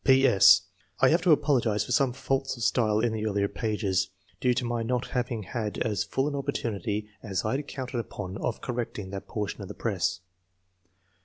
— I have to apologise for some faults of style in the earlier pages, due to my not having had as full an opportunity as I had counted upon of correcting that portion of the press.